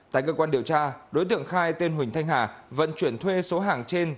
tại cơ quan điều tra đối tượng khai tên huỳnh thanh hà vận chuyển thuê số hàng trên